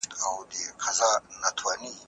سندرې د تمرین سره ورته فزیکي اغېزې لري.